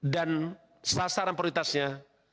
dan sasaran prioritasnya